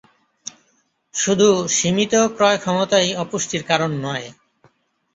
শুধু সীমিত ক্রয়ক্ষমতাই অপুষ্টির কারন নয়।